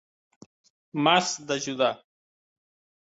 M'has d'ajudar.